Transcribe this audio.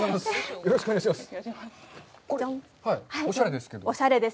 よろしくお願いします。